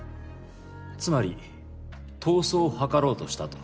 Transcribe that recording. つまり逃走を図ろうとしたと？